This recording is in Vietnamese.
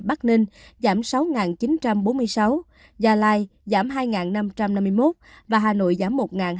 bắc ninh giảm sáu chín trăm bốn mươi sáu gia lai giảm hai năm trăm năm mươi một và hà nội giảm một hai trăm linh tám